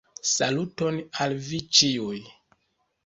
Saluton al vi ĉiuj!